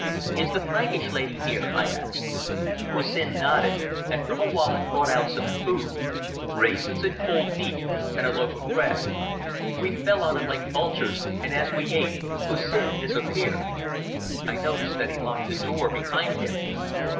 "Is the Frankish lady here?" I asked. Hussin nodded, and from a wallet brought out some food—raisins and cold meat and a loaf of bread. We fell on it like vultures, and as we ate Hussin disappeared. I noticed that he locked the door behind him.